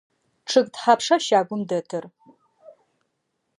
Чъыг тхьапша щагум дэтыр?